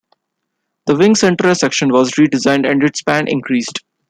The wing center section was redesigned and its span increased.